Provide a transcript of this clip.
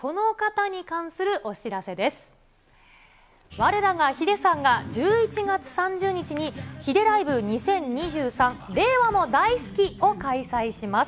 われらがヒデさんが、１１月３０日にヒデライブ２０２３令和もダイスキ！を開催します。